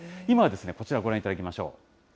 今はこちらご覧いただきましょう。